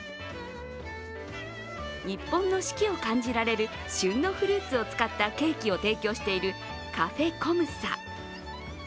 日本の四季を感じられる旬のフルーツを使ったケーキを提供しているカフェコムサ。